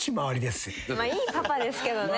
いいパパですけどね。